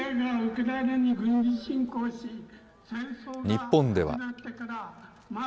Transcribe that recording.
日本では。